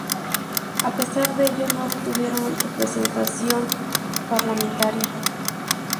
A pesar de ello no obtuvieron representación parlamentaria.